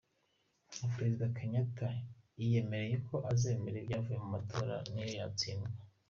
Nka Perezida Kenyatta yiyemereye ko azemera ibyavuye mu matora niyo yatsindwa.